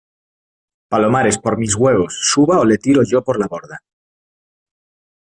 palomares, por mis huevos , suba o le tiro yo por la borda.